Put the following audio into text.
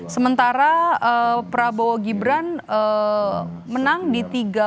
sementara prabowo gibran menang di tiga